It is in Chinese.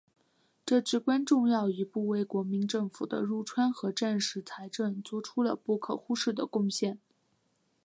这至关重要一步为国民政府的入川和战时财政作出了不可忽视的贡献。